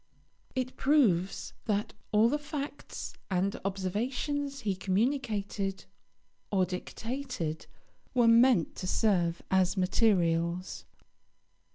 It proves that all the facts and observations he communicated or dictated were meant to serve as materials.